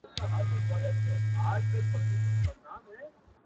• نه محتاج یو د انسان نه غلامان یو ,